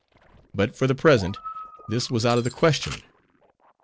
But, for the present, this was out of the question.